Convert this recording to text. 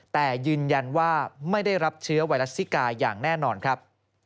แต่ยืนยันว่าไม่ได้รับเชื้อไวรัสซิกาอย่างแน่นอนครับ